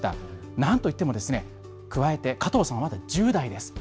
なんといっても加藤さんはまだ１０代です。